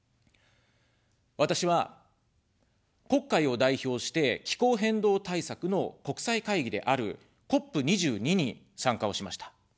私は、国会を代表して、気候変動対策の国際会議であるＣＯＰ２２に参加をしました。